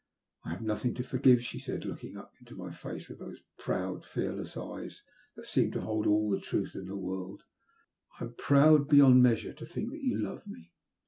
" I have nothing to forgive," she said, looking up WE ABE SAVED. 215 into my face with those proud, fearless eyes that seemed to hold all the truth m the world; "I am proud beyond measure to thhik you love me."